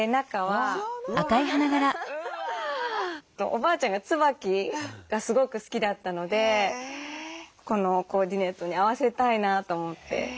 おばあちゃんがツバキがすごく好きだったのでこのコーディネートに合わせたいなと思って。